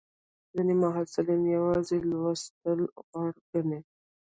ځینې محصلین یوازې لوستل غوره ګڼي.